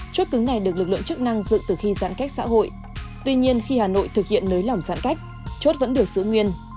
chốt cứng này được lực lượng chức năng dựng từ khi giãn cách xã hội